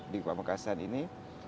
di pemekasan ini